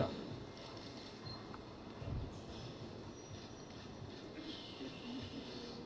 untuk memperjuangkan kepentingan bangsa tersebut